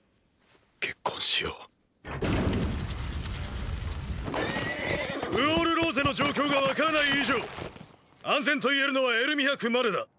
結婚しよウォール・ローゼの状況がわからない以上安全と言えるのはエルミハ区までだ。